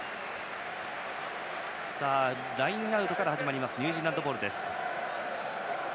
ラインアウトから始まりますニュージーランドボール。